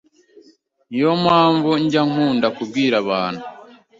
Niyo mpamvu njya nkunda kubwira abantu